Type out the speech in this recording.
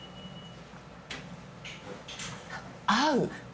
合う！